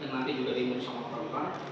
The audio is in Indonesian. yang nanti juga dimusimkan